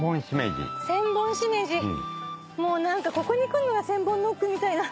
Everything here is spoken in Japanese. もうここに来るのが千本ノックみたいな。